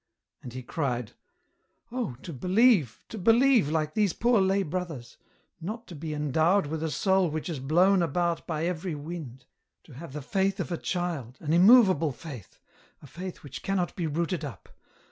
" And he cried :" Oh, to believe, to believe like these poor lay brothers, no to be EN ROUTE. 211 endowed with a soul which is blown about by every wind ; to have the faith of a child, an immovable faith, a faith which cannot be rooted up